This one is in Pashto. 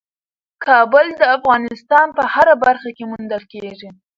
کابل د افغانستان په هره برخه کې موندل کېږي.